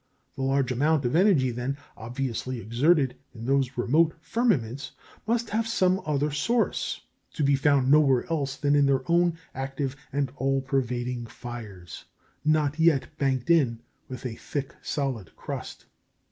The large amount of energy, then, obviously exerted in those remote firmaments must have some other source, to be found nowhere else than in their own active and all pervading fires, not yet banked in with a thick solid crust.